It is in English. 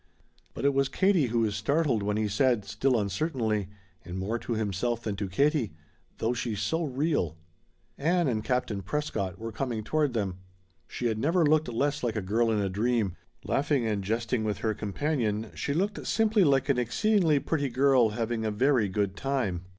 But it was Katie who was startled when he said, still uncertainly, and more to himself than to Katie: "Though she's so real." Ann and Captain Prescott were coming toward them. She had never looked less like a girl in a dream. Laughing and jesting with her companion, she looked simply like an exceedingly pretty girl having a very good time.